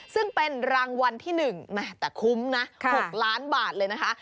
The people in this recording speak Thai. ซึ่งเป็นรางวัลที่๑แต่คุ้มนะ๖ล้านบาทเลยนะคะ